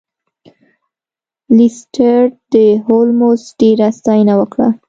لیسټرډ د هولمز ډیره ستاینه وکړه.